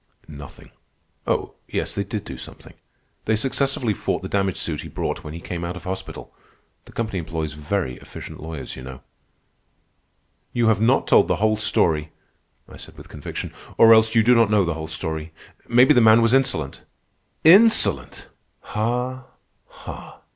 "Nothing. Oh, yes, they did do something. They successfully fought the damage suit he brought when he came out of hospital. The company employs very efficient lawyers, you know." "You have not told the whole story," I said with conviction. "Or else you do not know the whole story. Maybe the man was insolent." "Insolent! Ha! ha!"